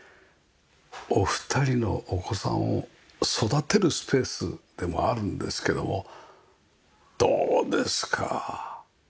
お二人のお子さんを育てるスペースでもあるんですけどもどうですか？